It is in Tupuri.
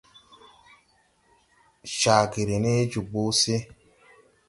Caa ge ré ne jobo se.